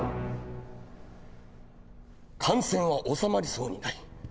感染は収まりそうにない。